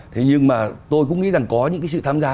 thế nhưng mà tôi cũng nghĩ là có những sự tham gia